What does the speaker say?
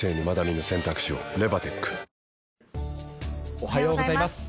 おはようございます。